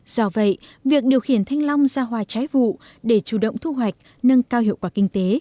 do vậy việc điều khiển thanh long ra hoa trái vụ để chủ động thu hoạch nâng cao hiệu quả kinh tế